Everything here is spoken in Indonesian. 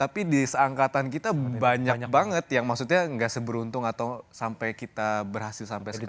tapi di seangkatan kita banyak banget yang maksudnya nggak seberuntung atau sampai kita berhasil sampai sekitar tahun